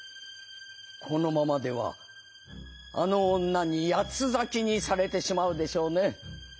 このままではあの女に八つ裂きにされてしまうでしょうね。